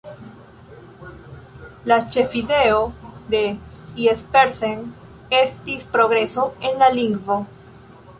La ĉefideo de Jespersen estis progreso en la lingvo.